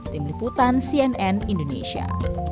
tim liputan cnn indonesia